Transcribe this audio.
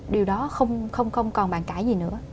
điều đó không còn bàn cãi gì nữa